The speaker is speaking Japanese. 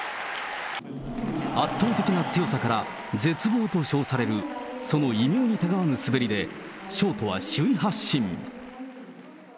圧倒的な強さから、絶望と称される、その異名にたがわぬ滑りで、ショートは首位発進。